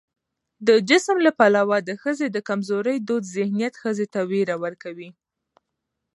د جسم له پلوه د ښځې د کمزورۍ دود ذهنيت ښځې ته ويره ورکړې